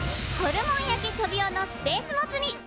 ホルモン焼きトビオのスペースモツ煮！